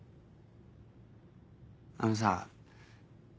あのさ。